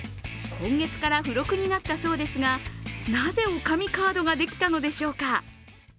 今月から付録になったそうですがなぜ女将カードができたのでしょうか？